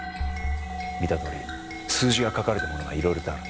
見たとおり数字が書かれたものが色々とある。